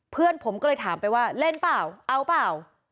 เพื่อนผมก็เลยถามไปว่าเล่นเปล่าเอาเปล่า